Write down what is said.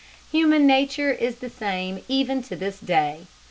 ] Human nature is the same even to this day.